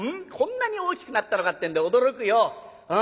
こんなに大きくなったのかってんで驚くよ。